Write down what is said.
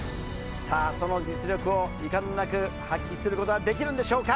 その実力をいかんなく発揮することはできるんでしょうか。